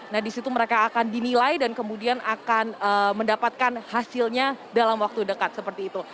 nah disitu mereka akan dinilai dan kemudian akan mendapatkan hasilnya dalam waktu dekat seperti itu